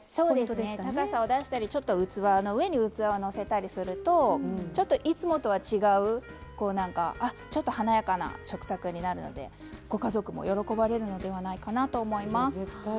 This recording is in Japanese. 高さを出したりちょっと器の上に器をのせたりするとちょっといつもとは違うちょっと華やかな食卓になるのでご家族も喜ばれるのではないかなと思います。